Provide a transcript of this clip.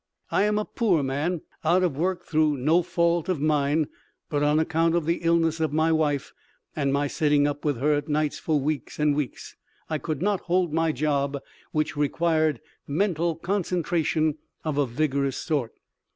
I am a poor man, out of work through no fault of mine but on account of the illness of my wife and my sitting up with her at nights for weeks and weeks I could not hold my job whch required mentle concentration of a vigorous sort.